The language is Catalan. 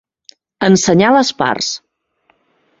Ensenyar les parts.